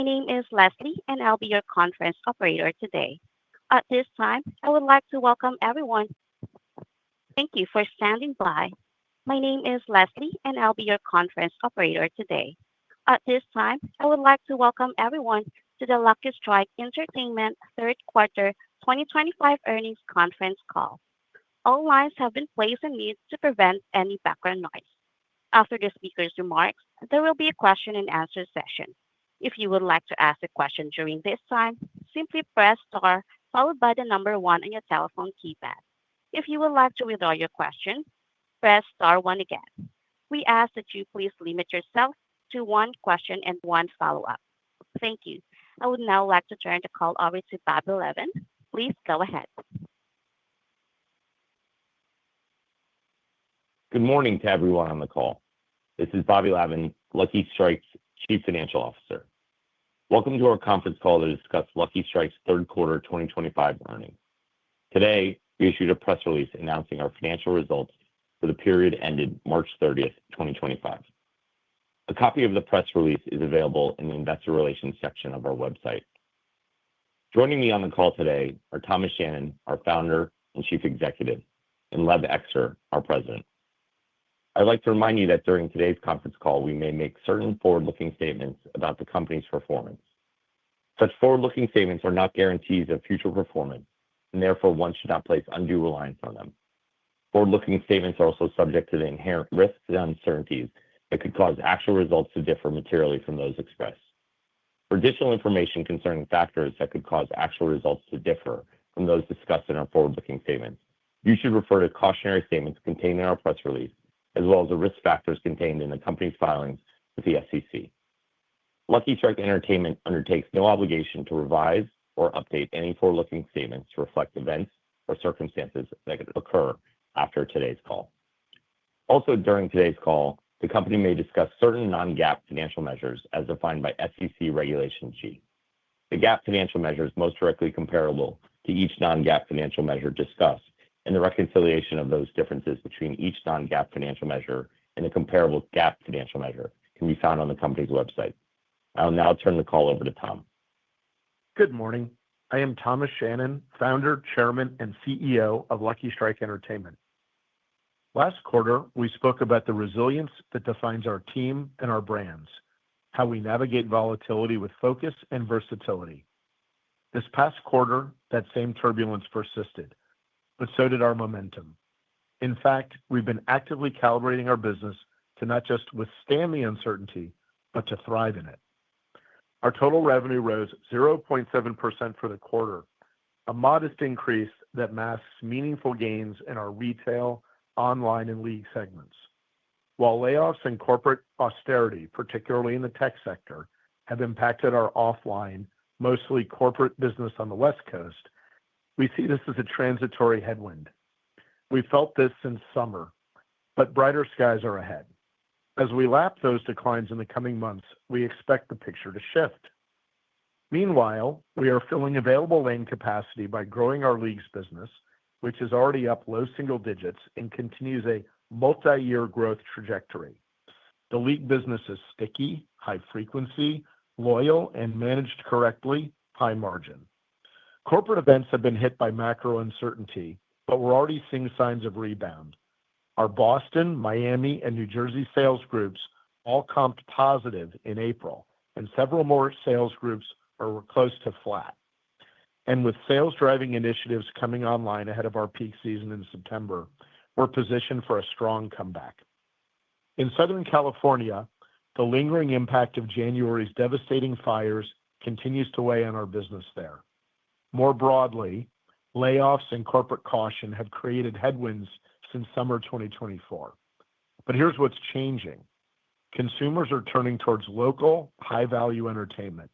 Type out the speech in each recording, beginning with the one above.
My name is Leslie, and I'll be your conference operator today. At this time, I would like to welcome everyone. Thank you for standing by. My name is Leslie, and I'll be your conference operator today. At this time, I would like to welcome everyone to the Lucky Strike Entertainment third quarter 2025 earnings conference call. All lines have been placed on mute to prevent any background noise. After the speaker's remarks, there will be a question-and-answer session. If you would like to ask a question during this time, simply press star followed by the number one on your telephone keypad. If you would like to withdraw your question, press star one again. We ask that you please limit yourself to one question and one follow-up. Thank you. I would now like to turn the call over to Bobby Lavan. Please go ahead. Good morning to everyone on the call. This is Bobby Lavan, Lucky Strike's Chief Financial Officer. Welcome to our conference call to discuss Lucky Strike's third quarter 2025 earnings. Today, we issued a press release announcing our financial results for the period ended March 30, 2025. A copy of the press release is available in the investor relations section of our website. Joining me on the call today are Thomas Shannon, our Founder and Chief Executive, and Lev Ekster, our President. I'd like to remind you that during today's conference call, we may make certain forward-looking statements about the company's performance. Such forward-looking statements are not guarantees of future performance, and therefore one should not place undue reliance on them. Forward-looking statements are also subject to the inherent risks and uncertainties that could cause actual results to differ materially from those expressed. For additional information concerning factors that could cause actual results to differ from those discussed in our forward-looking statements, you should refer to cautionary statements contained in our press release, as well as the risk factors contained in the company's filings with the SEC. Lucky Strike Entertainment undertakes no obligation to revise or update any forward-looking statements to reflect events or circumstances that occur after today's call. Also, during today's call, the company may discuss certain non-GAAP financial measures as defined by SEC Regulation G. The GAAP financial measures most directly comparable to each non-GAAP financial measure discussed, and the reconciliation of those differences between each non-GAAP financial measure and the comparable GAAP financial measure, can be found on the company's website. I'll now turn the call over to [Tom]. Good morning. I am Thomas Shannon, Founder, Chairman, and CEO of Lucky Strike Entertainment. Last quarter, we spoke about the resilience that defines our team and our brands, how we navigate volatility with focus and versatility. This past quarter, that same turbulence persisted, but so did our momentum. In fact, we've been actively calibrating our business to not just withstand the uncertainty, but to thrive in it. Our total revenue rose 0.7% for the quarter, a modest increase that masks meaningful gains in our retail, online, and league segments. While layoffs and corporate austerity, particularly in the tech sector, have impacted our offline, mostly corporate business on the West Coast, we see this as a transitory headwind. We felt this since summer, but brighter skies are ahead. As we lap those declines in the coming months, we expect the picture to shift. Meanwhile, we are filling available lane capacity by growing our leagues business, which is already up low single digits and continues a multi-year growth trajectory. The league business is sticky, high-frequency, loyal, and managed correctly, high-margin. Corporate events have been hit by macro uncertainty, but we're already seeing signs of rebound. Our Boston, Miami, and New Jersey sales groups all comped positive in April, and several more sales groups are close to flat. With sales-driving initiatives coming online ahead of our peak season in September, we're positioned for a strong comeback. In Southern California, the lingering impact of January's devastating fires continues to weigh on our business there. More broadly, layoffs and corporate caution have created headwinds since summer 2024. Here's what's changing. Consumers are turning towards local, high-value entertainment.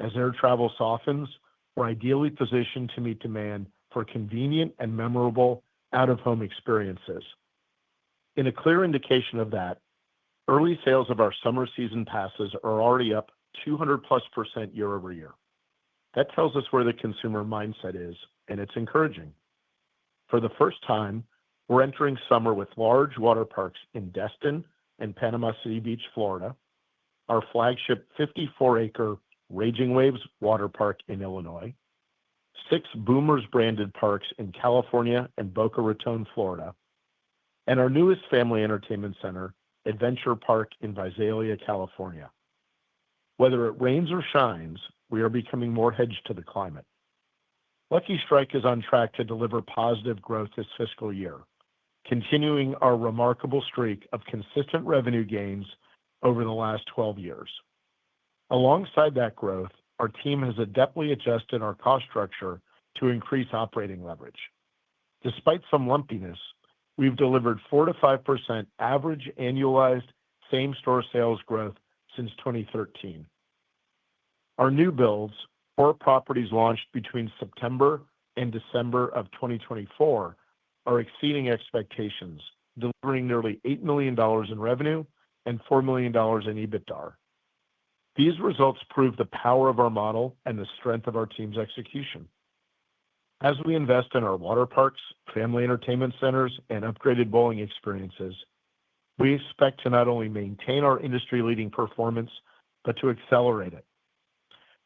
As air travel softens, we're ideally positioned to meet demand for convenient and memorable out-of-home experiences. In a clear indication of that, early sales of our summer season passes are already up 200+% year over year. That tells us where the consumer mindset is, and it's encouraging. For the first time, we're entering summer with large water parks in Destin and Panama City Beach, Florida, our flagship 54-acre Raging Waves water park in Illinois, six Boomers-branded parks in California and Boca Raton, Florida, and our newest family entertainment center, Adventure Park in Visalia, California. Whether it rains or shines, we are becoming more hedged to the climate. Lucky Strike is on track to deliver positive growth this fiscal year, continuing our remarkable streak of consistent revenue gains over the last 12 years. Alongside that growth, our team has adeptly adjusted our cost structure to increase operating leverage. Despite some lumpiness, we've delivered 4%-5% average annualized same-store sales growth since 2013. Our new builds, four properties launched between September and December of 2024, are exceeding expectations, delivering nearly $8 million in revenue and $4 million in EBITDA. These results prove the power of our model and the strength of our team's execution. As we invest in our water parks, family entertainment centers, and upgraded bowling experiences, we expect to not only maintain our industry-leading performance, but to accelerate it.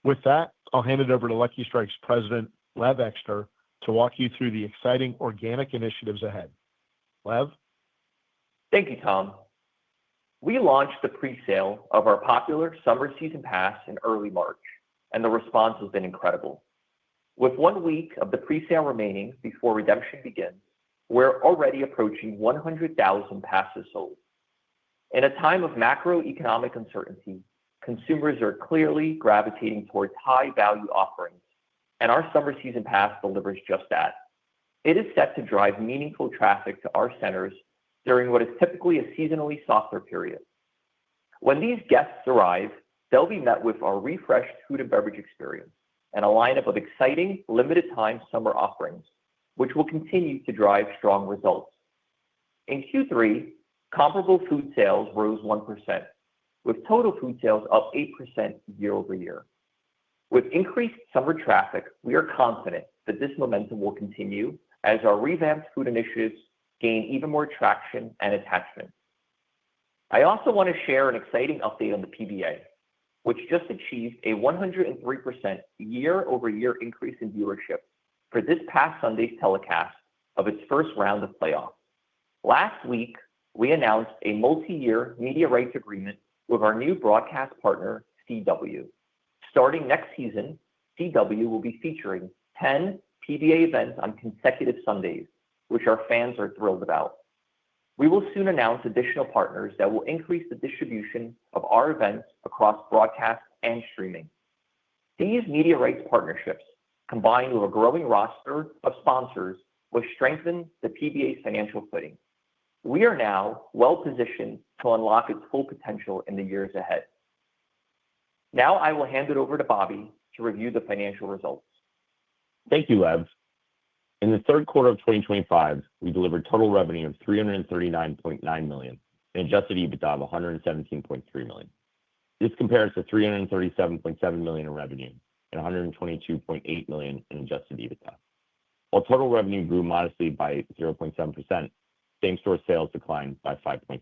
With that, I'll hand it over to Lucky Strike's President, Lev Ekster, to walk you through the exciting organic initiatives ahead. Lev? Thank you, [Tom]. We launched the presale of our popular summer season pass in early March, and the response has been incredible. With one week of the presale remaining before redemption begins, we're already approaching 100,000 passes sold. In a time of macroeconomic uncertainty, consumers are clearly gravitating towards high-value offerings, and our summer season pass delivers just that. It is set to drive meaningful traffic to our centers during what is typically a seasonally softer period. When these guests arrive, they'll be met with our refreshed food and beverage experience and a lineup of exciting limited-time summer offerings, which will continue to drive strong results. In Q3, comparable food sales rose 1%, with total food sales up 8% year over year. With increased summer traffic, we are confident that this momentum will continue as our revamped food initiatives gain even more traction and attachment. I also want to share an exciting update on the PBA, which just achieved a 103% year-over-year increase in viewership for this past Sunday's telecast of its first round of playoffs. Last week, we announced a multi-year media rights agreement with our new broadcast partner, CW. Starting next season, CW will be featuring 10 PBA events on consecutive Sundays, which our fans are thrilled about. We will soon announce additional partners that will increase the distribution of our events across broadcast and streaming. These media rights partnerships, combined with a growing roster of sponsors, will strengthen the PBA's financial footing. We are now well-positioned to unlock its full potential in the years ahead. Now I will hand it over to Bobby to review the financial results. Thank you, Lev. In the third quarter of 2025, we delivered total revenue of $339.9 million and adjusted EBITDA of $117.3 million. This compares to $337.7 million in revenue and $122.8 million in adjusted EBITDA. While total revenue grew modestly by 0.7%, same-store sales declined by 5.6%.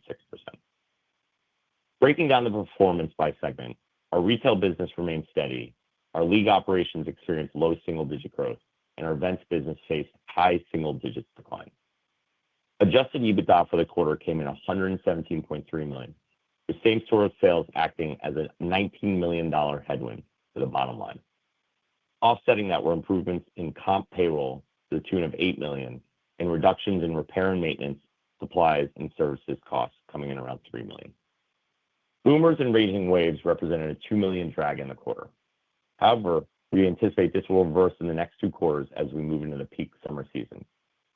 Breaking down the performance by segment, our retail business remained steady, our league operations experienced low single-digit growth, and our events business faced high single-digit decline. Adjusted EBITDA for the quarter came in at $117.3 million, with same-store sales acting as a $19 million headwind for the bot[Tom] line. Offsetting that were improvements in comp payroll to the tune of $8 million and reductions in repair and maintenance, supplies, and services costs coming in around $3 million. Boomers and Raging Waves represented a $2 million drag in the quarter. However, we anticipate this will reverse in the next two quarters as we move into the peak summer season.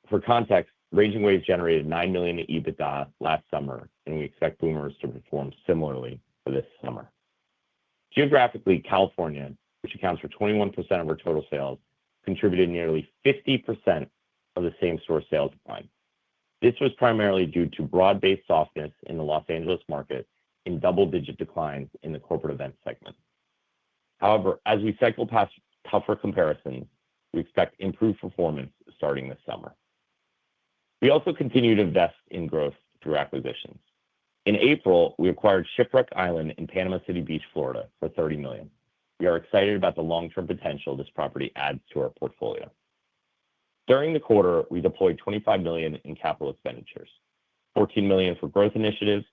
For context, Raging Waves generated $9 million in EBITDA last summer, and we expect Boomers to perform similarly for this summer. Geographically, California, which accounts for 21% of our total sales, contributed nearly 50% of the same-store sales decline. This was primarily due to broad-based softness in the Los Angeles market and double-digit declines in the corporate events segment. However, as we cycle past tougher comparisons, we expect improved performance starting this summer. We also continue to invest in growth through acquisitions. In April, we acquired Shipwreck Island in Panama City Beach, Florida, for $30 million. We are excited about the long-term potential this property adds to our portfolio. During the quarter, we deployed $25 million in capital expenditures, $14 million for growth initiatives,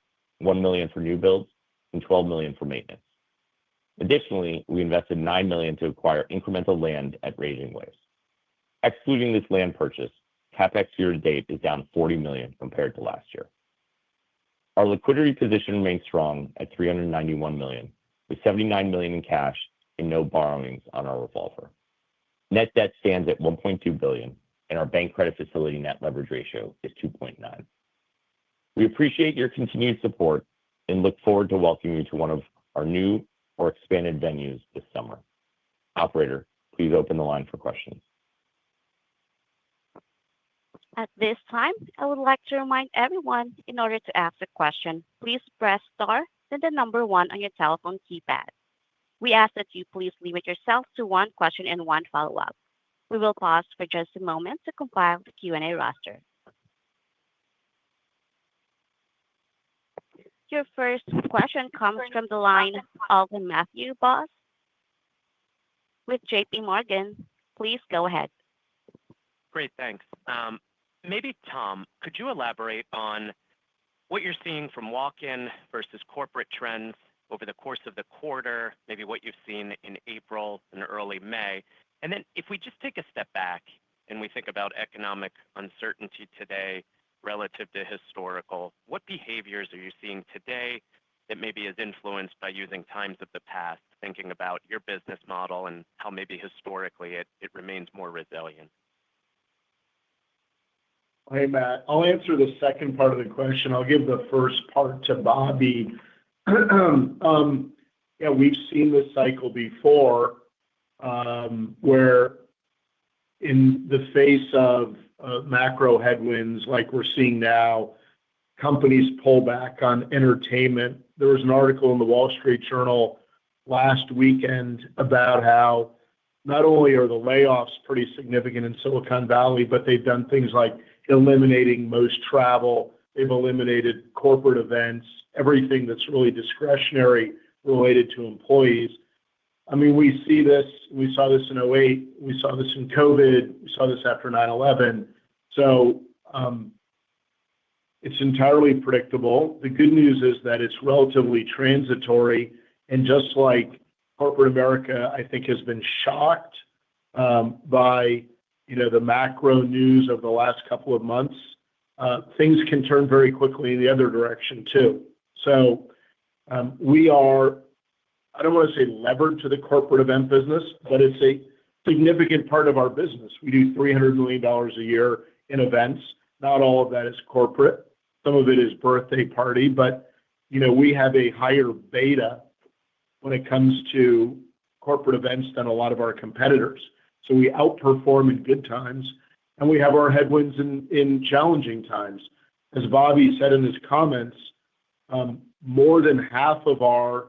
$1 million for new builds, and $12 million for maintenance. Additionally, we invested $9 million to acquire incremental land at Raging Waves. Excluding this land purchase, CapEx year-to-date is down $40 million compared to last year. Our liquidity position remains strong at $391 million, with $79 million in cash and no borrowings on our revolver. Net debt stands at $1.2 billion, and our bank credit facility net leverage ratio is 2.9. We appreciate your continued support and look forward to welcoming you to one of our new or expanded venues this summer. Operator, please open the line for questions. At this time, I would like to remind everyone in order to ask a question, please press star then the number one on your telephone keypad. We ask that you please limit yourself to one question and one follow-up. We will pause for just a moment to compile the Q&A roster. Your first question comes from the line of Matthew Boss with JPMorgan. Please go ahead. Great. Thanks. Maybe, [Tom], could you elaborate on what you're seeing from walk-in versus corporate trends over the course of the quarter, maybe what you've seen in April and early May? If we just take a step back and we think about economic uncertainty today relative to historical, what behaviors are you seeing today that maybe is influenced by using times of the past, thinking about your business model and how maybe historically it remains more resilient? Hey, Matt. I'll answer the second part of the question. I'll give the first part to Bobby. Yeah, we've seen this cycle before where in the face of macro headwinds like we're seeing now, companies pull back on entertainment. There was an article in the Wall Street Journal last weekend about how not only are the layoffs pretty significant in Silicon Valley, but they've done things like eliminating most travel. They've eliminated corporate events, everything that's really discretionary related to employees. I mean, we see this. We saw this in 2008. We saw this in COVID. We saw this after 2001. It is entirely predictable. The good news is that it's relatively transitory. Just like corporate America, I think, has been shocked by the macro news of the last couple of months, things can turn very quickly in the other direction too. We are, I don't want to say levered to the corporate event business, but it's a significant part of our business. We do $300 million a year in events. Not all of that is corporate. Some of it is birthday party, but we have a higher beta when it comes to corporate events than a lot of our competitors. We outperform in good times, and we have our headwinds in challenging times. As Bobby said in his comments, more than half of our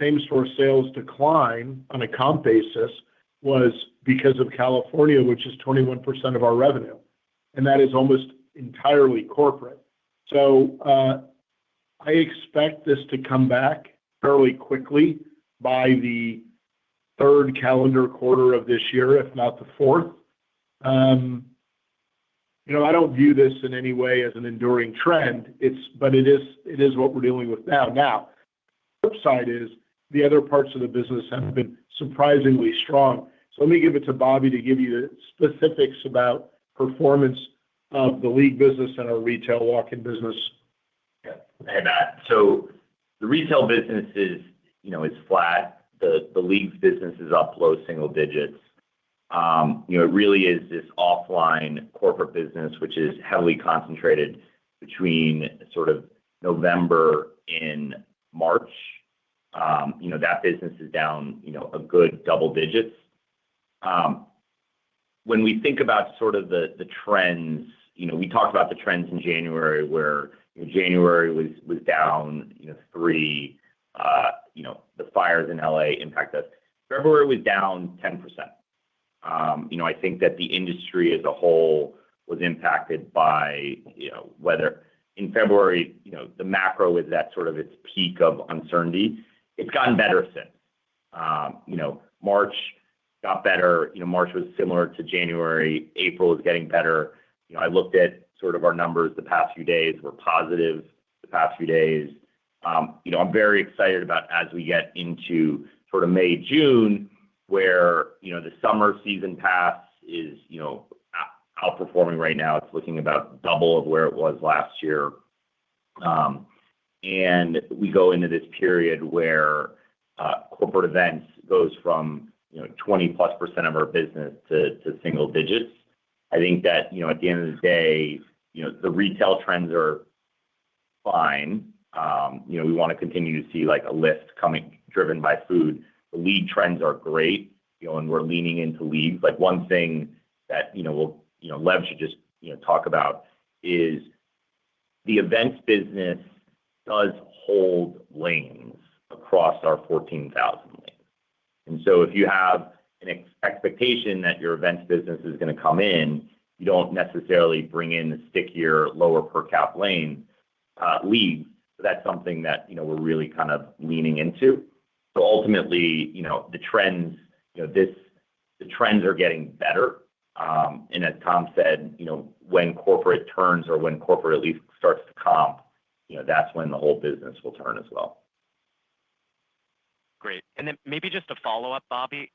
same-store sales decline on a comp basis was because of California, which is 21% of our revenue. That is almost entirely corporate. I expect this to come back fairly quickly by the third calendar quarter of this year, if not the fourth. I don't view this in any way as an enduring trend, but it is what we're dealing with now. Now, the flip side is the other parts of the business have been surprisingly strong. Let me give it to Bobby to give you the specifics about performance of the league business and our retail walk-in business. Hey, Matt. So the retail business is flat. The league business is up low single digits. It really is this offline corporate business, which is heavily concentrated between sort of November and March. That business is down a good double digits. When we think about sort of the trends, we talked about the trends in January where January was down three. The fires in Los Angeles impact us. February was down 10%. I think that the industry as a whole was impacted by weather. In February, the macro was at sort of its peak of uncertainty. It's gotten better since. March got better. March was similar to January. April is getting better. I looked at sort of our numbers the past few days. We're positive the past few days. I'm very excited about as we get into sort of May, June, where the summer season pass is outperforming right now. It's looking about double of where it was last year. We go into this period where corporate events go from 20+% of our business to single digits. I think that at the end of the day, the retail trends are fine. We want to continue to see a lift coming driven by food. The league trends are great, and we're leaning into leagues. One thing that Lev should just talk about is the events business does hold lanes across our 14,000 lanes. If you have an expectation that your events business is going to come in, you don't necessarily bring in the stickier, lower per-cap lane league. That's something that we're really kind of leaning into. Ultimately, the trends are getting better. As [Tom] said, when corporate turns or when corporate at least starts to comp, that's when the whole business will turn as well. Great. Maybe just to follow up, Bobby,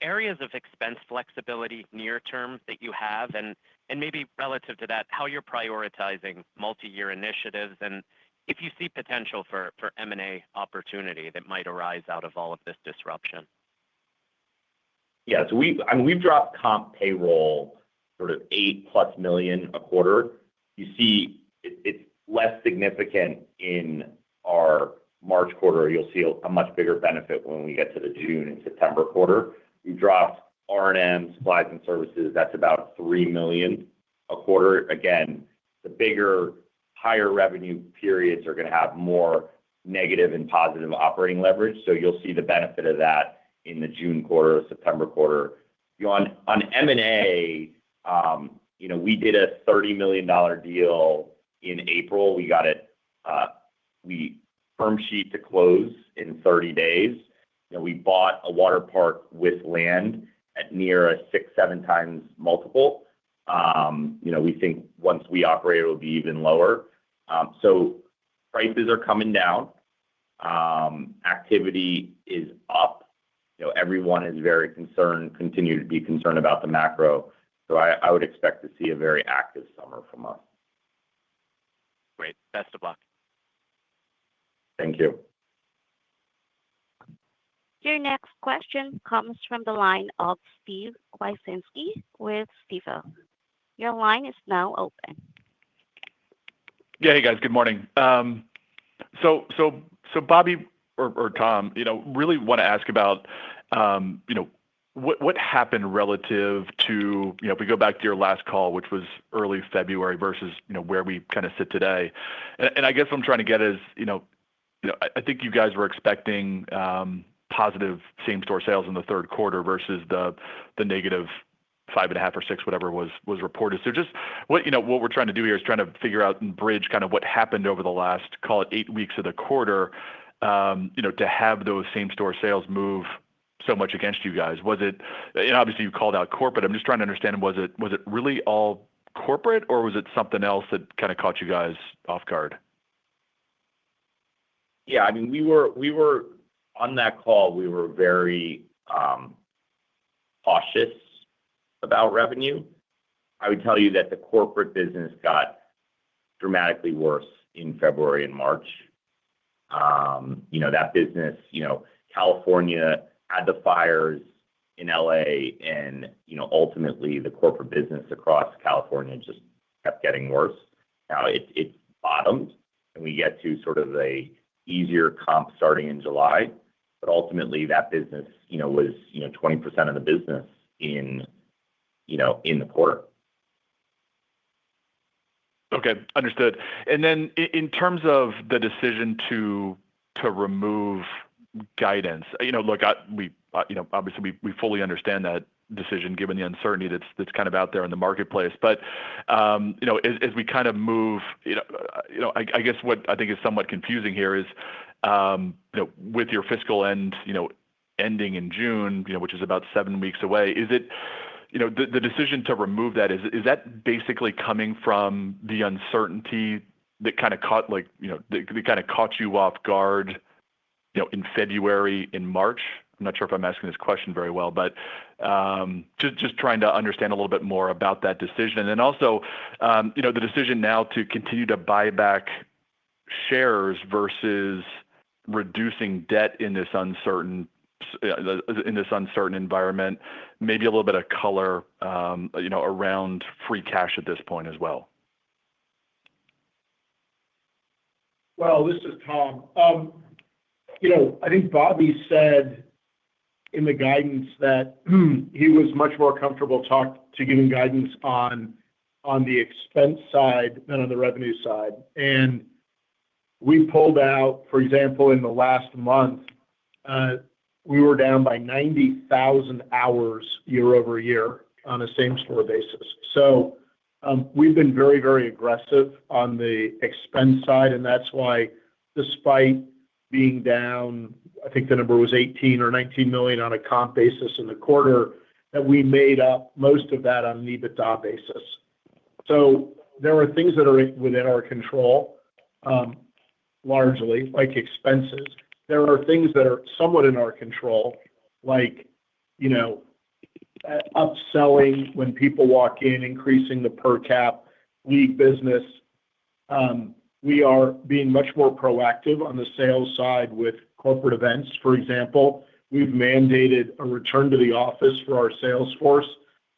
areas of expense flexibility near-term that you have and maybe relative to that, how you're prioritizing multi-year initiatives and if you see potential for M&A opportunity that might arise out of all of this disruption. Yeah. So we've dropped comp payroll sort of $8 million+ a quarter. You see it's less significant in our March quarter. You'll see a much bigger benefit when we get to the June and September quarter. We've dropped R&M, supplies and services. That's about $3 million a quarter. Again, the bigger, higher revenue periods are going to have more negative and positive operating leverage. You'll see the benefit of that in the June quarter, September quarter. On M&A, we did a $30 million deal in April. We got a firm sheet to close in 30 days. We bought a water park with land at near a six-seven times multiple. We think once we operate, it will be even lower. Prices are coming down. Activity is up. Everyone is very concerned, continued to be concerned about the macro. I would expect to see a very active summer from us. Great. Best of luck. Thank you. Your next question comes from the line of Steve Wieczynski with Stifel. Your line is now open. Yeah. Hey, guys. Good morning. Bobby or [Tom], I really want to ask about what happened relative to if we go back to your last call, which was early February versus where we kind of sit today. I guess what I'm trying to get is I think you guys were expecting positive same-store sales in the third quarter versus the negative 5.5% or 6%, whatever was reported. What we're trying to do here is trying to figure out and bridge kind of what happened over the last, call it, eight weeks of the quarter to have those same-store sales move so much against you guys. Obviously, you called out corporate. I'm just trying to understand, was it really all corporate, or was it something else that kind of caught you guys off guard? Yeah. I mean, on that call, we were very cautious about revenue. I would tell you that the corporate business got dramatically worse in February and March. That business, California had the fires in Los Angeles, and ultimately, the corporate business across California just kept getting worse. Now, it's bot[Tom]ed, and we get to sort of an easier comp starting in July. Ultimately, that business was 20% of the business in the quarter. Okay. Understood. In terms of the decision to remove guidance, look, obviously, we fully understand that decision given the uncertainty that's kind of out there in the marketplace. As we kind of move, I guess what I think is somewhat confusing here is with your fiscal end ending in June, which is about seven weeks away, is the decision to remove that, is that basically coming from the uncertainty that kind of caught you off guard in February, in March? I'm not sure if I'm asking this question very well, just trying to understand a little bit more about that decision. Also, the decision now to continue to buy back shares versus reducing debt in this uncertain environment, maybe a little bit of color around free cash at this point as well. This is [Tom]. I think Bobby said in the guidance that he was much more comfortable talking to giving guidance on the expense side than on the revenue side. We pulled out, for example, in the last month, we were down by 90,000 hours year over year on a same-store basis. We have been very, very aggressive on the expense side, and that is why despite being down, I think the number was $18 million or $19 million on a comp basis in the quarter, we made up most of that on the EBITDA basis. There are things that are within our control largely, like expenses. There are things that are somewhat in our control, like upselling when people walk in, increasing the per-cap league business. We are being much more proactive on the sales side with corporate events. For example, we've mandated a return to the office for our salesforce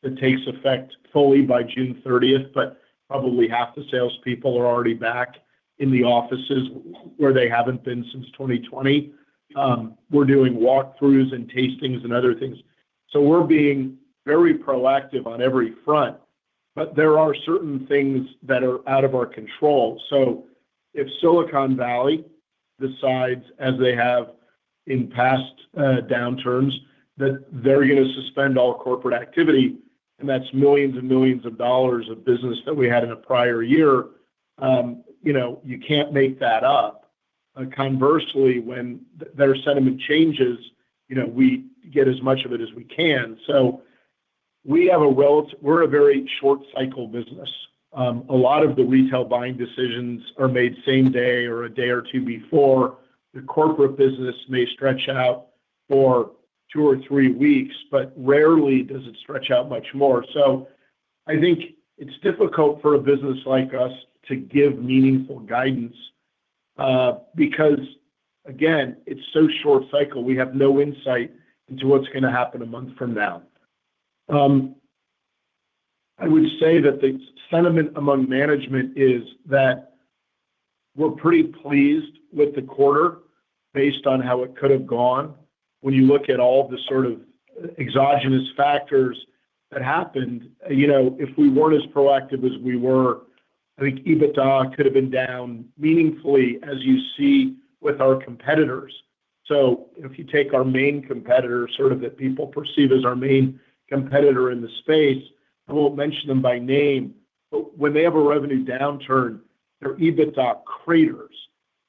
that takes effect fully by June 30, but probably half the salespeople are already back in the offices where they haven't been since 2020. We're doing walk-throughs and tastings and other things. We're being very proactive on every front, but there are certain things that are out of our control. If Silicon Valley decides, as they have in past downturns, that they're going to suspend all corporate activity, and that's millions and millions of dollars of business that we had in a prior year, you can't make that up. Conversely, when their sentiment changes, we get as much of it as we can. We have a relatively, we're a very short-cycle business. A lot of the retail buying decisions are made same day or a day or two before. The corporate business may stretch out for two or three weeks, but rarely does it stretch out much more. I think it's difficult for a business like us to give meaningful guidance because, again, it's so short-cycle. We have no insight into what's going to happen a month from now. I would say that the sentiment among management is that we're pretty pleased with the quarter based on how it could have gone. When you look at all the sort of exogenous factors that happened, if we weren't as proactive as we were, I think EBITDA could have been down meaningfully, as you see with our competitors. If you take our main competitor, sort of that people perceive as our main competitor in the space, I won't mention them by name, but when they have a revenue downturn, their EBITDA craters.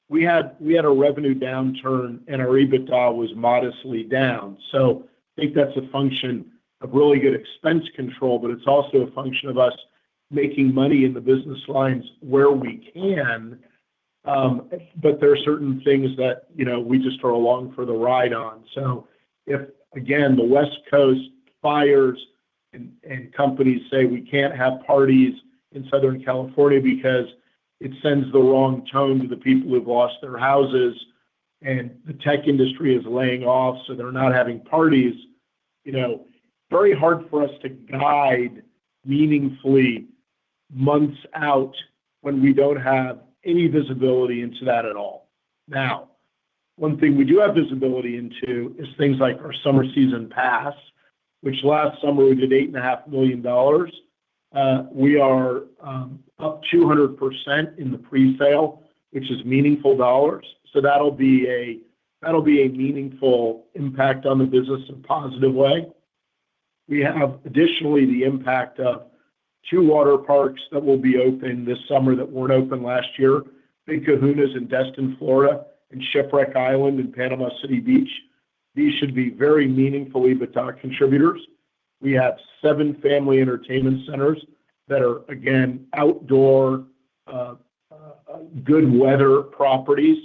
We had a revenue downturn, and our EBITDA was modestly down. I think that's a function of really good expense control, but it's also a function of us making money in the business lines where we can. There are certain things that we just are along for the ride on. If, again, the West Coast fires and companies say, "We can't have parties in Southern California because it sends the wrong tone to the people who've lost their houses, and the tech industry is laying off, so they're not having parties," it is very hard for us to guide meaningfully months out when we don't have any visibility into that at all. Now, one thing we do have visibility into is things like our summer season pass, which last summer we did $8.5 million. We are up 200% in the presale, which is meaningful dollars. That'll be a meaningful impact on the business in a positive way. We have additionally the impact of two water parks that will be open this summer that were not open last year: Big Kahunas in Destin, Florida, and Shipwreck Island in Panama City Beach. These should be very meaningful EBITDA contributors. We have seven family entertainment centers that are, again, outdoor, good-weather properties.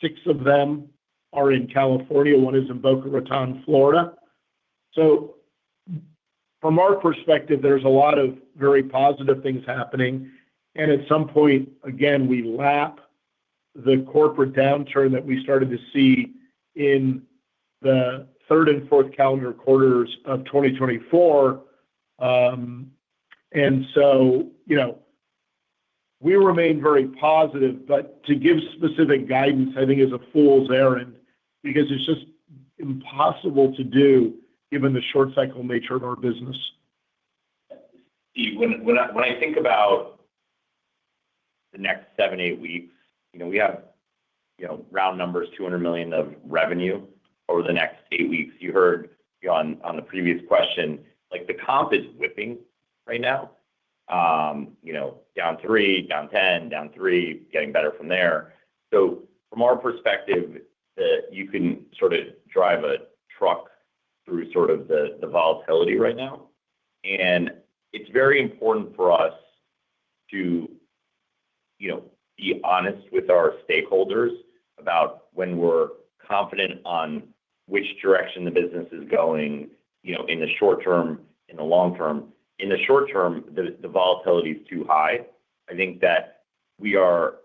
Six of them are in California. One is in Boca Raton, Florida. From our perspective, there are a lot of very positive things happening. At some point, again, we lap the corporate downturn that we started to see in the third and fourth calendar quarters of 2024. We remain very positive. To give specific guidance, I think, is a fool's errand because it is just impossible to do given the short-cycle nature of our business. Steve, when I think about the next seven, eight weeks, we have, round numbers, $200 million of revenue over the next eight weeks. You heard on the previous question, the comp is whipping right now, down 3%, down 10%, down 3%, getting better from there. From our perspective, you could not sort of drive a truck through sort of the volatility right now. It is very important for us to be honest with our stakeholders about when we are confident on which direction the business is going in the short term and the long term. In the short term, the volatility is too high. I think that we are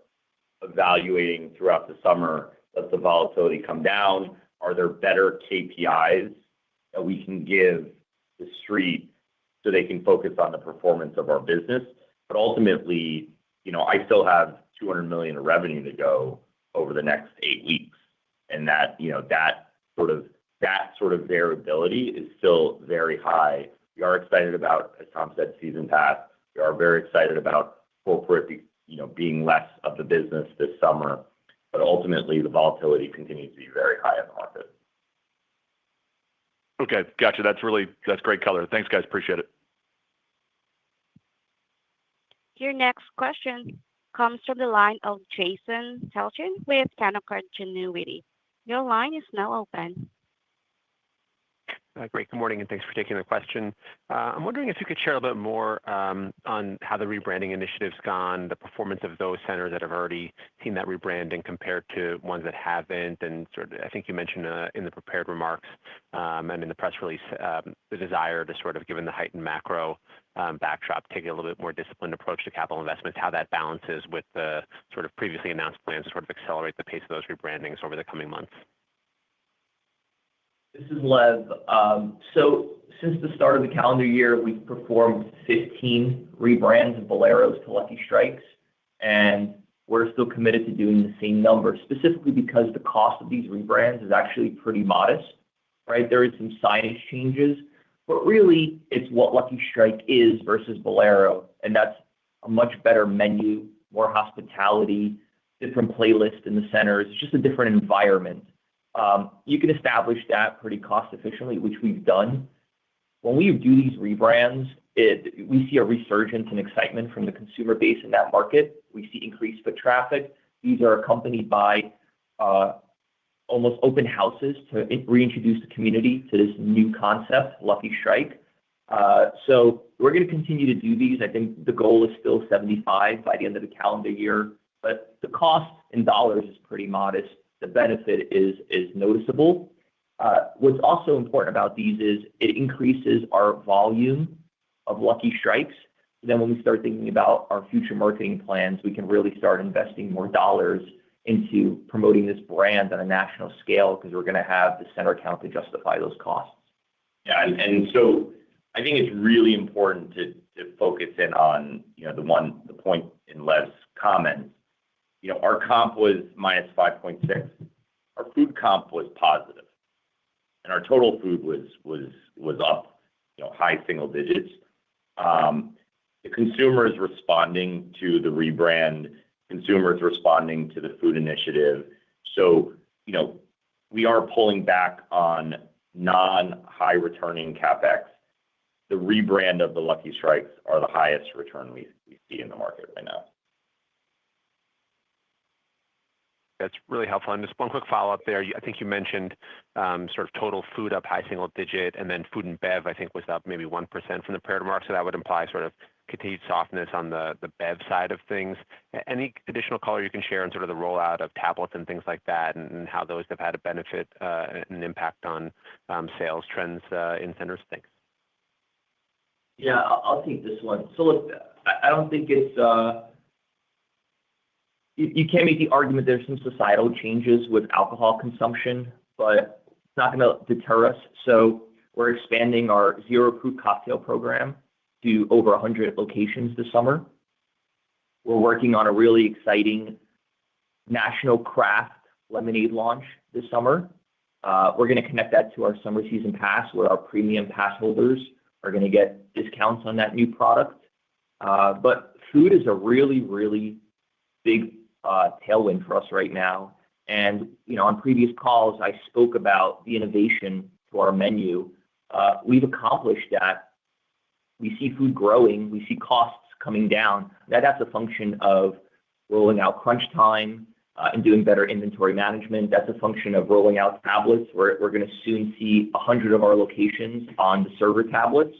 evaluating throughout the summer. Does the volatility come down? Are there better KPIs that we can give the street so they can focus on the performance of our business? Ultimately, I still have $200 million of revenue to go over the next eight weeks, and that sort of variability is still very high. We are excited about, as [Tom] said, season pass. We are very excited about corporate being less of the business this summer. Ultimately, the volatility continues to be very high i22n the market. Okay. Gotcha. That's great color. Thanks, guys. Appreciate it. Your next question comes from the line of Jason Tilchen with Canaccord Genuity. Your line is now open. Great. Good morning, and thanks for taking the question. I'm wondering if you could share a little bit more on how the rebranding initiative's gone, the performance of those centers that have already seen that rebranding compared to ones that haven't. I think you mentioned in the prepared remarks and in the press release the desire to sort of, given the heightened macro backdrop, take a little bit more disciplined approach to capital investments, how that balances with the sort of previously announced plans to sort of accelerate the pace of those rebrandings over the coming months. This is Lev. Since the start of the calendar year, we've performed 15 rebrands of Bolero's to Lucky Strike's. We're still committed to doing the same number, specifically because the cost of these rebrands is actually pretty modest, right? There are some size changes, but really, it's what Lucky Strike is versus Bolero. That's a much better menu, more hospitality, different playlist in the centers. It's just a different environment. You can establish that pretty cost-efficiently, which we've done. When we do these rebrands, we see a resurgence and excitement from the consumer base in that market. We see increased foot traffic. These are accompanied by almost open houses to reintroduce the community to this new concept, Lucky Strike. We're going to continue to do these. I think the goal is still 75 by the end of the calendar year, but the cost in dollars is pretty modest. The benefit is noticeable. What's also important about these is it increases our volume of Lucky Strike's. Then when we start thinking about our future marketing plans, we can really start investing more dollars into promoting this brand on a national scale because we're going to have the center count to justify those costs. Yeah. I think it's really important to focus in on the point in Lev's comments. Our comp was -5.6%. Our food comp was positive. And our total food was up high single digits. The consumer is responding to the rebrand. Consumers are responding to the food initiative. We are pulling back on non-high-returning CapEx. The rebrand of the Lucky Strike are the highest return we see in the market right now. That's really helpful. Just one quick follow-up there. I think you mentioned sort of total food up high single digit, and then food and bev, I think, was up maybe 1% from the prepared remarks. That would imply sort of continued softness on the bev side of things. Any additional color you can share on sort of the rollout of tablets and things like that and how those have had a benefit and impact on sales trends in centers? Thanks. Yeah. I'll take this one. Look, I don't think you can't make the argument there's some societal changes with alcohol consumption, but it's not going to deter us. We're expanding our zero-fruit cocktail program to over 100 locations this summer. We're working on a really exciting national craft lemonade launch this summer. We're going to connect that to our summer season pass where our premium passholders are going to get discounts on that new product. Food is a really, really big tailwind for us right now. On previous calls, I spoke about the innovation to our menu. We've accomplished that. We see food growing. We see costs coming down. That's a function of rolling out CrunchTime and doing better inventory management. That's a function of rolling out tablets. We're going to soon see 100 of our locations on the server tablets.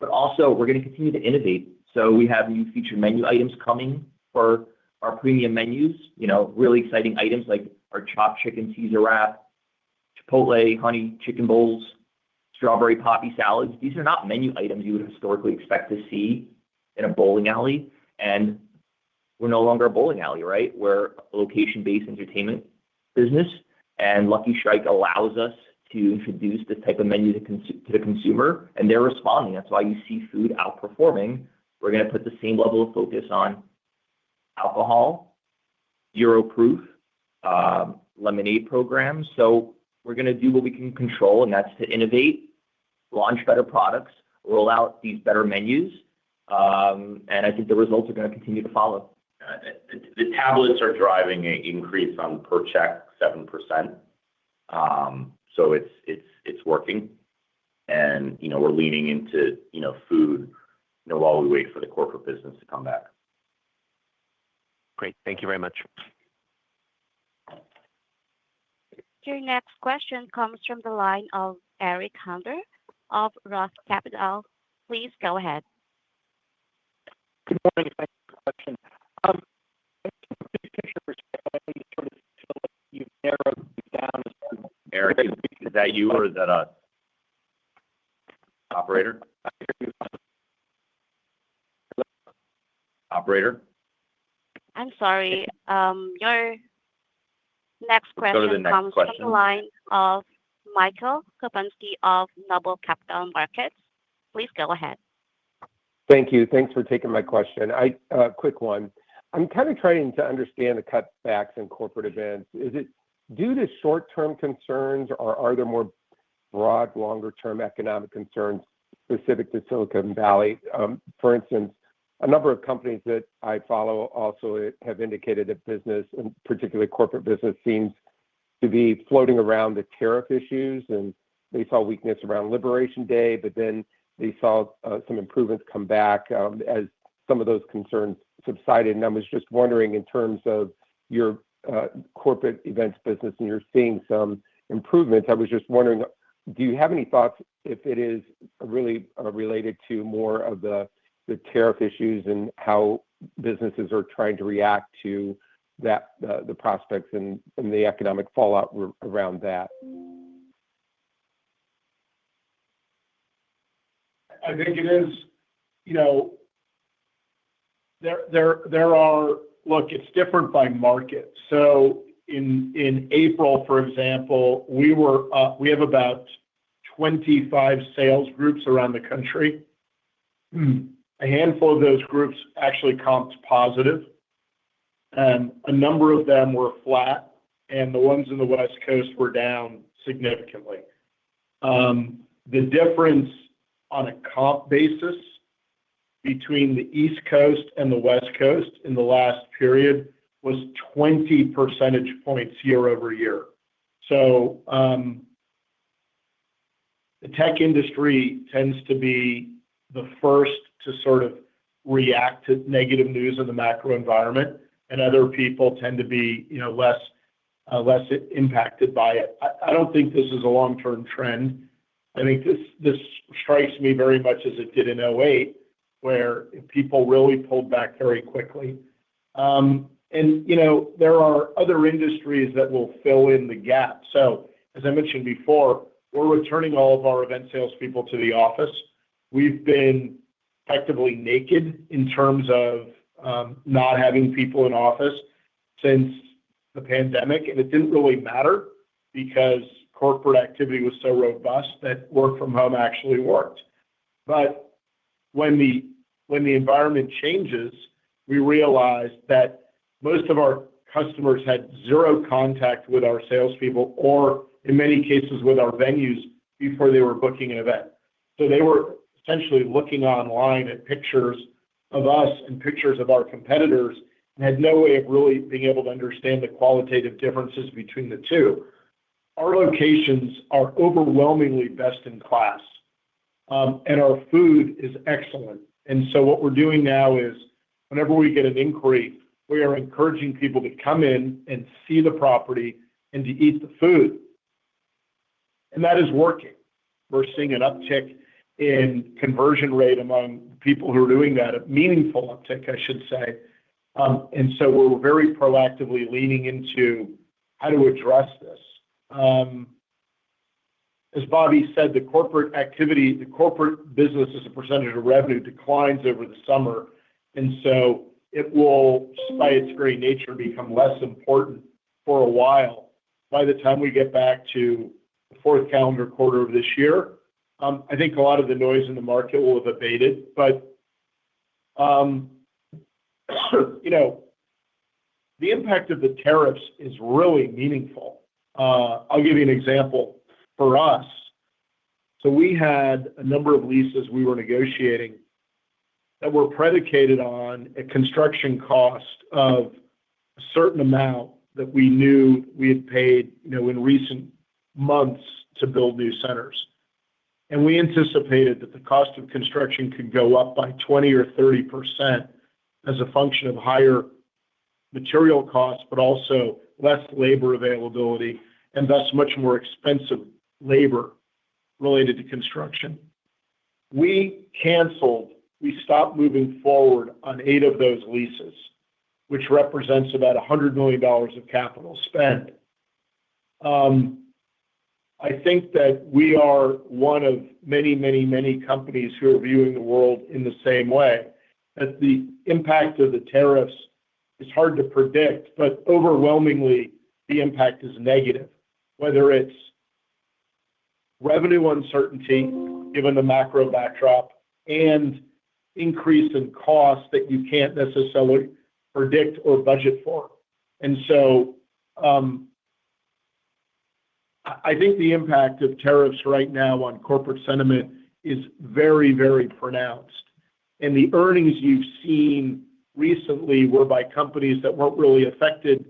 But also, we're going to continue to innovate. We have new featured menu items coming for our premium menus, really exciting items like our chopped chicken Caesar wrap, Chipotle honey chicken bowls, strawberry poppy salads. These are not menu items you would historically expect to see in a bowling alley. We're no longer a bowling alley, right? We're a location-based entertainment business. Lucky Strike allows us to introduce this type of menu to the consumer, and they're responding. That's why you see food outperforming. We're going to put the same level of focus on alcohol, zero-proof lemonade programs. We're going to do what we can control, and that's to innovate, launch better products, roll out these better menus. I think the results are going to continue to follow. The tablets are driving an increase on per check 7%. It is working. We are leaning into food while we wait for the corporate business to come back. Great. Thank you very much. Your next question comes from the line of Eric Handler of Roth Capital. Please go ahead. Eric, is that you or is that an operator? Operator? I'm sorry. Your next question comes from the line of Michael Kapinski of Noble Capital Markets. Please go ahead. Thank you. Thanks for taking my question. Quick one. I'm kind of trying to understand the cutbacks in corporate events. Is it due to short-term concerns, or are there more broad longer-term economic concerns specific to Silicon Valley? For instance, a number of companies that I follow also have indicated that business, particularly corporate business, seems to be floating around the tariff issues. They saw weakness around Liberation Day, but then they saw some improvements come back as some of those concerns subsided. I was just wondering in terms of your corporate events business, and you're seeing some improvements. I was just wondering, do you have any thoughts if it is really related to more of the tariff issues and how businesses are trying to react to the prospects and the economic fallout around that? I think it is. Look, it's different by market. In April, for example, we have about 25 sales groups around the country. A handful of those groups actually comped positive. A number of them were flat, and the ones in the West Coast were down significantly. The difference on a comp basis between the East Coast and the West Coast in the last period was 20 percentage points year over year. The tech industry tends to be the first to sort of react to negative news in the macro environment, and other people tend to be less impacted by it. I do not think this is a long-term trend. I think this strikes me very much as it did in 2008, where people really pulled back very quickly. There are other industries that will fill in the gap. As I mentioned before, we're returning all of our event salespeople to the office. We've been effectively naked in terms of not having people in office since the pandemic. It didn't really matter because corporate activity was so robust that work from home actually worked. When the environment changes, we realized that most of our cus[Tom]ers had zero contact with our salespeople or, in many cases, with our venues before they were booking an event. They were essentially looking online at pictures of us and pictures of our competitors and had no way of really being able to understand the qualitative differences between the two. Our locations are overwhelmingly best in class, and our food is excellent. What we're doing now is whenever we get an inquiry, we are encouraging people to come in and see the property and to eat the food. That is working. We're seeing an uptick in conversion rate among people who are doing that, a meaningful uptick, I should say. We are very proactively leaning into how to address this. As Bobby said, the corporate business as a percentage of revenue declines over the summer. It will, by its very nature, become less important for a while. By the time we get back to the fourth calendar quarter of this year, I think a lot of the noise in the market will have abated. The impact of the tariffs is really meaningful. I'll give you an example for us. We had a number of leases we were negotiating that were predicated on a construction cost of a certain amount that we knew we had paid in recent months to build new centers. We anticipated that the cost of construction could go up by 20% or 30% as a function of higher material costs, but also less labor availability, and thus much more expensive labor related to construction. We canceled. We stopped moving forward on eight of those leases, which represents about $100 million of capital spent. I think that we are one of many, many, many companies who are viewing the world in the same way. The impact of the tariffs is hard to predict, but overwhelmingly, the impact is negative, whether it's revenue uncertainty given the macro backdrop and increase in costs that you can't necessarily predict or budget for. I think the impact of tariffs right now on corporate sentiment is very, very pronounced. The earnings you've seen recently were by companies that were not really affected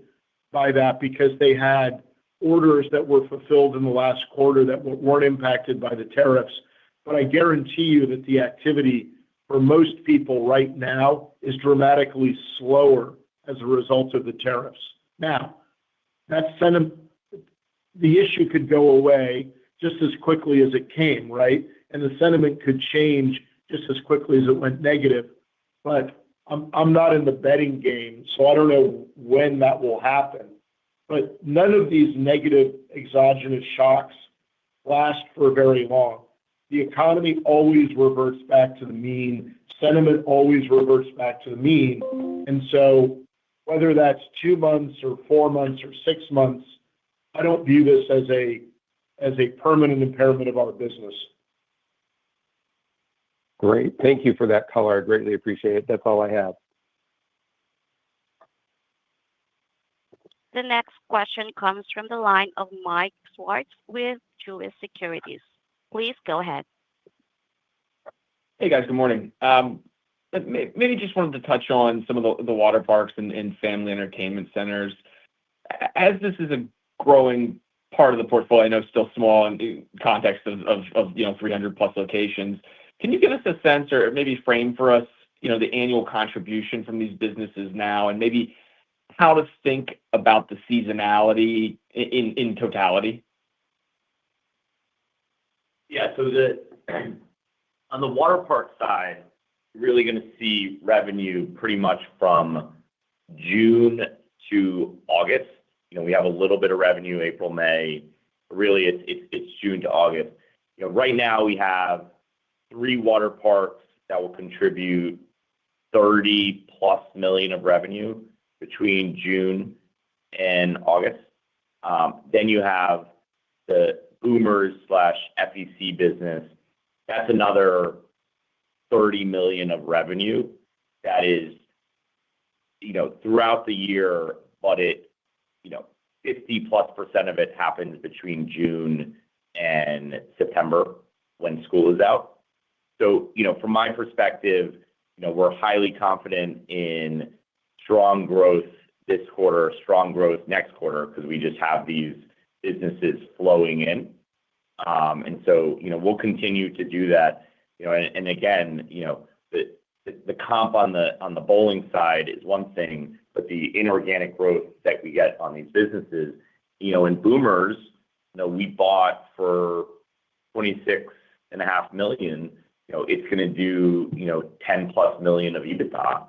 by that because they had orders that were fulfilled in the last quarter that were not impacted by the tariffs. I guarantee you that the activity for most people right now is dramatically slower as a result of the tariffs. The issue could go away just as quickly as it came, right? The sentiment could change just as quickly as it went negative. I am not in the betting game, so I do not know when that will happen. None of these negative exogenous shocks last for very long. The economy always reverts back to the mean. Sentiment always reverts back to the mean. Whether that is two months or four months or six months, I do not view this as a permanent impairment of our business. Great. Thank you for that color. I greatly appreciate it. That's all I have. The next question comes from the line of Mike Swartz with Jefferies. Please go ahead. Hey, guys. Good morning. Maybe just wanted to touch on some of the water parks and family entertainment centers. As this is a growing part of the portfolio, I know it's still small in the context of 300+ locations. Can you give us a sense or maybe frame for us the annual contribution from these businesses now and maybe how to think about the seasonality in totality? Yeah. So on the water park side, we're really going to see revenue pretty much from June to August. We have a little bit of revenue April, May. Really, it's June to August. Right now, we have three water parks that will contribute $30 million+ of revenue between June and August. Then you have the Boomers/FEC business. That's another $30 million of revenue that is throughout the year, but 50%+ of it happens between June and September when school is out. From my perspective, we're highly confident in strong growth this quarter, strong growth next quarter because we just have these businesses flowing in. We'll continue to do that. Again, the comp on the bowling side is one thing, but the inorganic growth that we get on these businesses. In Boomers, we bought for $26.5 million. It's going to do $10 million+ of EBITDA,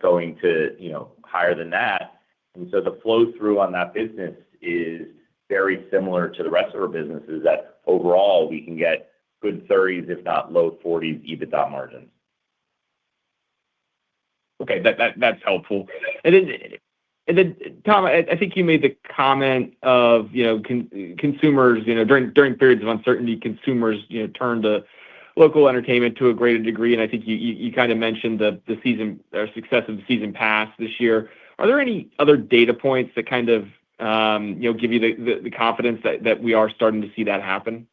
going to higher than that. The flow through on that business is very similar to the rest of our businesses. Overall, we can get good 30s, if not low 40s, EBITDA margins. Okay. That's helpful. [Tom], I think you made the comment of during periods of uncertainty, consumers turned to local entertainment to a greater degree. I think you kind of mentioned the success of the season pass this year. Are there any other data points that kind of give you the confidence that we are starting to see that happen?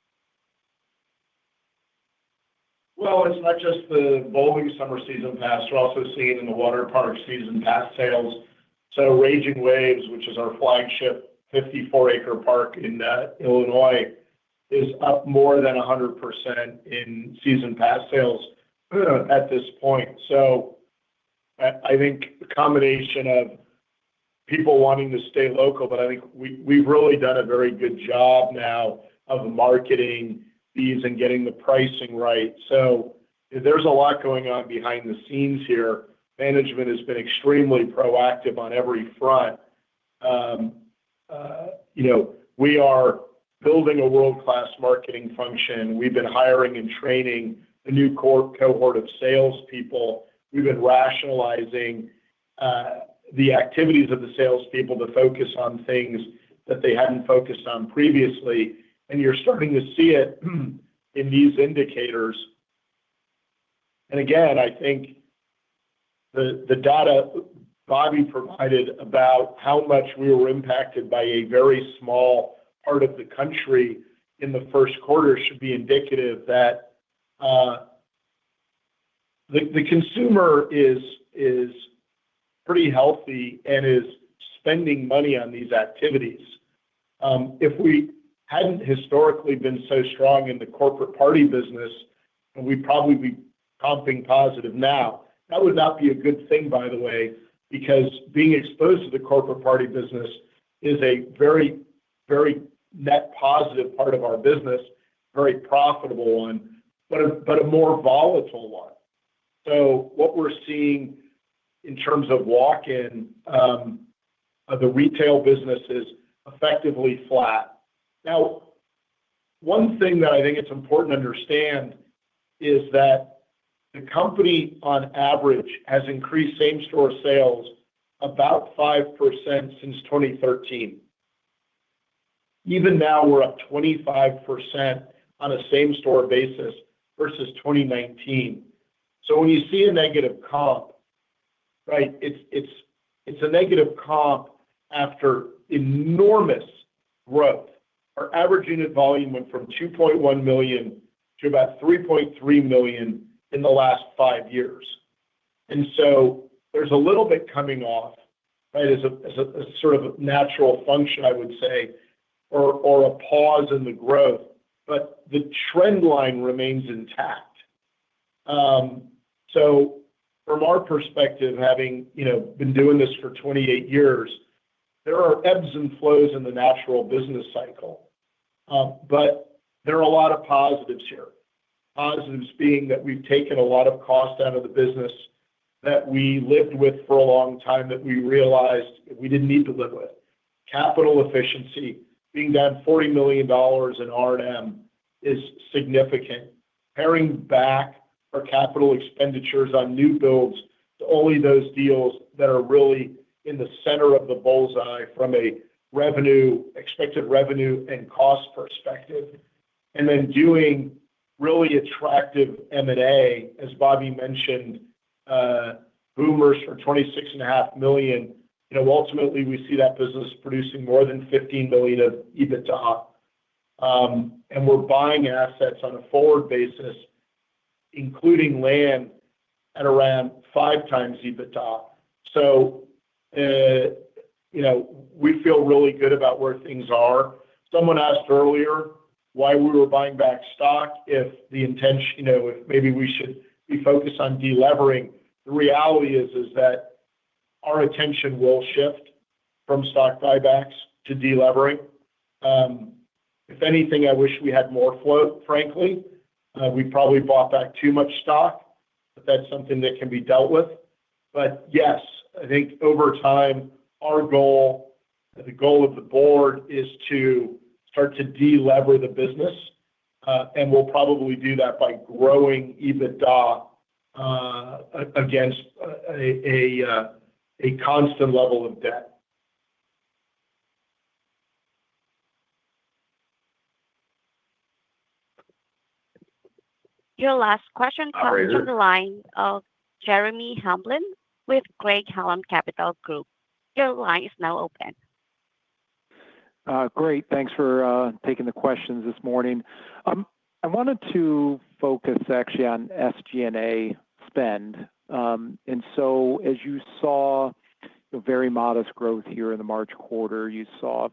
It is not just the bowling summer season pass. We are also seeing it in the water park season pass sales. Raging Waves, which is our flagship 54-acre park in Illinois, is up more than 100% in season pass sales at this point. I think a combination of people wanting to stay local, but I think we have really done a very good job now of marketing these and getting the pricing right. There is a lot going on behind the scenes here. Management has been extremely proactive on every front. We are building a world-class marketing function. We have been hiring and training a new cohort of salespeople. We have been rationalizing the activities of the salespeople to focus on things that they had not focused on previously. You are starting to see it in these indicators. I think the data Bobby provided about how much we were impacted by a very small part of the country in the first quarter should be indicative that the consumer is pretty healthy and is spending money on these activities. If we hadn't historically been so strong in the corporate party business, and we'd probably be comping positive now, that would not be a good thing, by the way, because being exposed to the corporate party business is a very, very net positive part of our business, very profitable one, but a more volatile one. What we're seeing in terms of walk-in of the retail business is effectively flat. One thing that I think it's important to understand is that the company, on average, has increased same-store sales about 5% since 2013. Even now, we're up 25% on a same-store basis versus 2019. When you see a negative comp, right, it's a negative comp after enormous growth. Our average unit volume went from $2.1 million to about $3.3 million in the last five years. There is a little bit coming off, right, as a sort of natural function, I would say, or a pause in the growth, but the trend line remains intact. From our perspective, having been doing this for 28 years, there are ebbs and flows in the natural business cycle, but there are a lot of positives here. Positives being that we've taken a lot of cost out of the business that we lived with for a long time that we realized we didn't need to live with. Capital efficiency, being down $40 million in R&M, is significant. Paring back our capital expenditures on new builds to only those deals that are really in the center of the bullseye from a revenue, expected revenue, and cost perspective. Then doing really attractive M&A, as Bobby mentioned, Boomers for $26.5 million. Ultimately, we see that business producing more than $15 million of EBITDA. We are buying assets on a forward basis, including land, at around five times EBITDA. We feel really good about where things are. Someone asked earlier why we were buying back stock if the intention, if maybe we should be focused on delevering. The reality is that our attention will shift from stock buybacks to delevering. If anything, I wish we had more float, frankly. We probably bought back too much stock, but that's something that can be dealt with. Yes, I think over time, our goal, the goal of the board, is to start to delever the business. We'll probably do that by growing EBITDA against a constant level of debt. Your last question comes from the line of Jeremy Hamblin with Craig-Hallum Capital Group. Your line is now open. Great. Thanks for taking the questions this morning. I wanted to focus actually on SG&A spend. As you saw very modest growth here in the March quarter, you saw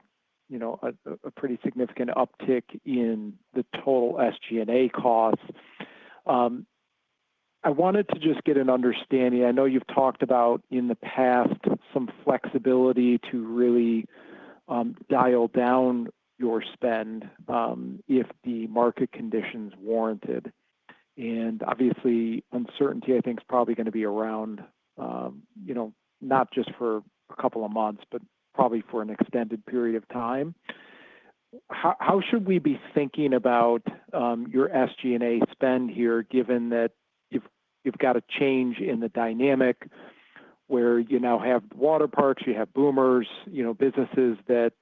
a pretty significant uptick in the total SG&A costs. I wanted to just get an understanding. I know you've talked about in the past some flexibility to really dial down your spend if the market conditions warranted. Obviously, uncertainty, I think, is probably going to be around not just for a couple of months, but probably for an extended period of time. How should we be thinking about your SG&A spend here, given that you've got a change in the dynamic where you now have water parks, you have Boomers, businesses that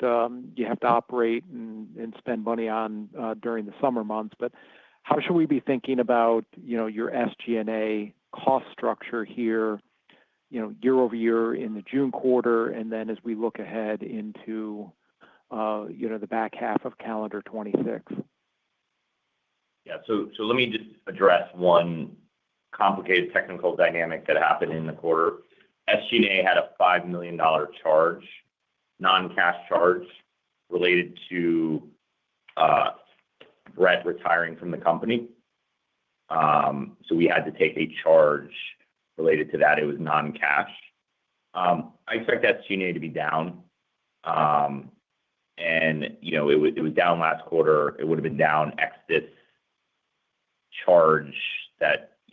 you have to operate and spend money on during the summer months? How should we be thinking about your SG&A cost structure here year over year in the June quarter and then as we look ahead into the back half of calendar 2026? Yeah. Let me just address one complicated technical dynamic that happened in the quarter. SG&A had a $5 million charge, non-cash charge related to Brett retiring from the company. We had to take a charge related to that. It was non-cash. I expect SG&A to be down. It was down last quarter. It would have been down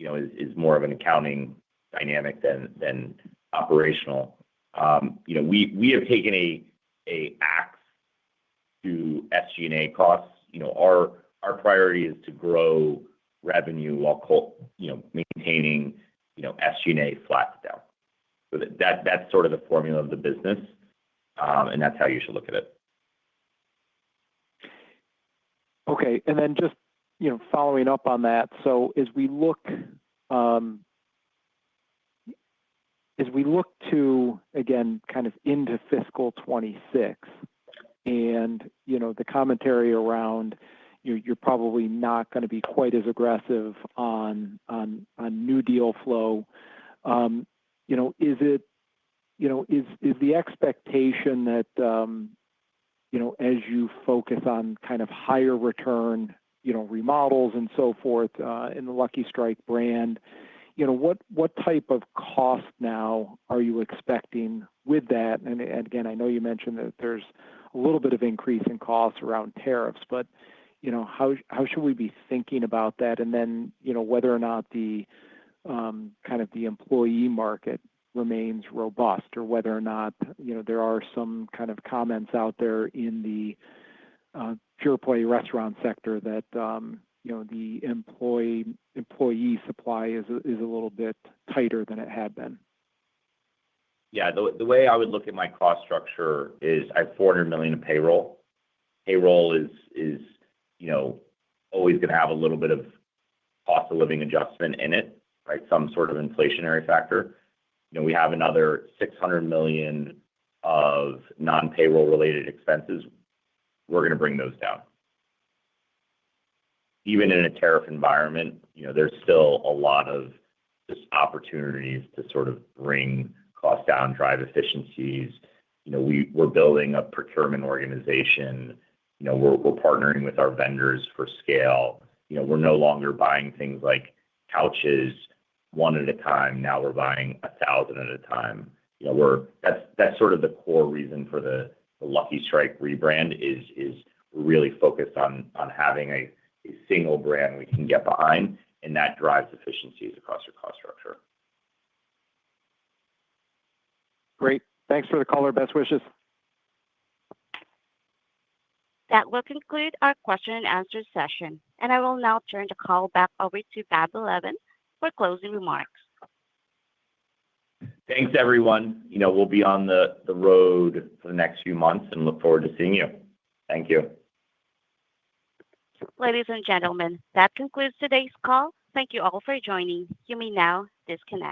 ex this charge that is more of an accounting dynamic than operational. We have taken an axe to SG&A costs. Our priority is to grow revenue while maintaining SG&A flat down. That is sort of the formula of the business, and that is how you should look at it. Okay. And then just following up on that, as we look to, again, kind of into fiscal 2026 and the commentary around you're probably not going to be quite as aggressive on new deal flow, is the expectation that as you focus on kind of higher return remodels and so forth in the Lucky Strike brand, what type of cost now are you expecting with that? Again, I know you mentioned that there's a little bit of increase in costs around tariffs, but how should we be thinking about that? And then whether or not kind of the employee market remains robust or whether or not there are some kind of comments out there in the pure-play restaurant sector that the employee supply is a little bit tighter than it had been? Yeah. The way I would look at my cost structure is I have $400 million of payroll. Payroll is always going to have a little bit of cost of living adjustment in it, right? Some sort of inflationary factor. We have another $600 million of non-payroll-related expenses. We're going to bring those down. Even in a tariff environment, there's still a lot of just opportunities to sort of bring costs down, drive efficiencies. We're building a procurement organization. We're partnering with our vendors for scale. We're no longer buying things like couches one at a time. Now we're buying 1,000 at a time. That's sort of the core reason for the Lucky Strike rebrand is we're really focused on having a single brand we can get behind, and that drives efficiencies across your cost structure. Great. Thanks for the call. Best wishes. That will conclude our question-and-answer session. I will now turn the call back over to Bobby Lavan for closing remarks. Thanks, everyone. We'll be on the road for the next few months and look forward to seeing you. Thank you. Ladies and gentlemen, that concludes today's call. Thank you all for joining. You may now disconnect.